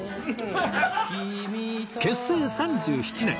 結成３７年